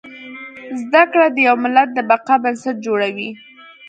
زده کړه د يو ملت د بقا بنسټ جوړوي